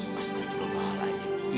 mas jujur doang